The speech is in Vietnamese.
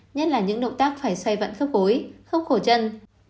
nhất là những động tác phải xoay vận khớp gối không khổ chân